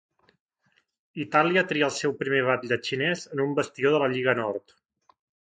Itàlia tria el seu primer batlle xinès en un bastió de la Lliga Nord.